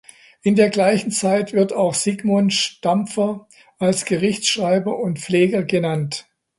In der gleichen Zeit wird auch Sigmund Stampfer als Gerichtsschreiber und Pfleger genannt.